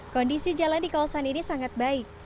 kondisi jalan di kawasan ini sangat baik